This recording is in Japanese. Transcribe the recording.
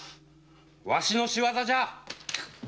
・わしの仕業じゃ！